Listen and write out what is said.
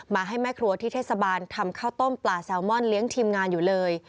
ให้แม่ครัวที่เทศบาลทำข้าวต้มปลาแซลมอนเลี้ยงทีมงานอยู่เลย